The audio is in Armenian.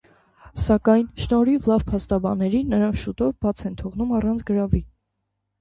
Սակայն, շնորհիվ լավ փաստաբանների, նրան շուտով բաց են թողնում առանց գրավի։